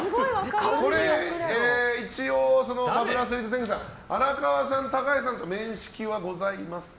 一応バブル・アスリート天狗さん荒川さん、高橋さんと面識はございますか？